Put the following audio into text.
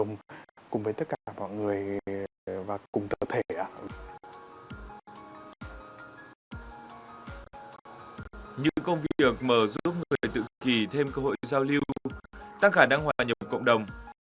những công việc mở giúp người tự kỳ thêm cơ hội giao lưu tăng khả năng hòa nhập cộng đồng